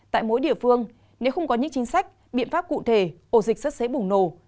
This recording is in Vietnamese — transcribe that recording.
tại mỗi địa phương nếu không có những chính sách biện pháp cụ thể ổ dịch rất dễ bùng nổ